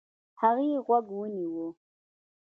هغې غوږ ونيو.